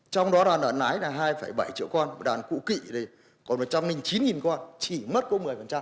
trong đó đoàn lợn nái là hai bảy triệu con đoàn cụ kỵ còn một trăm linh chín con chỉ mất có một mươi